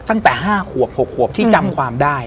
ตั้งแต่๕ขวบ๖ขวบที่จำความได้